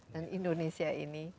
dan indonesia ini